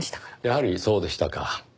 やはりそうでしたか。